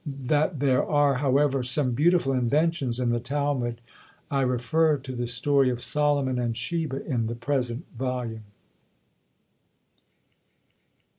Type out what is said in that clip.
That there are, however, some beautiful inventions in the Talmud, I refer to the story of Solomon and Sheba, in the present volume.